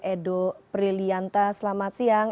edo prilianta selamat siang